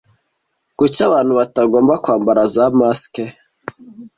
Kuki abantu batagomba kwambara za masks